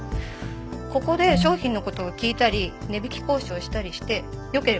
ここで商品の事を聞いたり値引き交渉したりしてよければ購入。